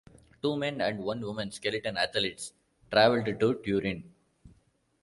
Two men and one woman skeleton athletes traveled to Turin.